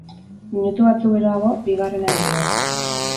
Minutu batzuk geroago, bigarrena heldu da.